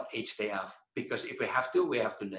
karena kalau kita harus kita harus belajar